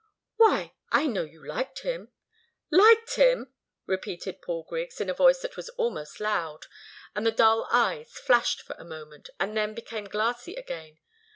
"Why? I know you liked him " "Liked him!" repeated Paul Griggs, in a voice that was almost loud, and the dull eyes flashed for a moment, and then became glassy again.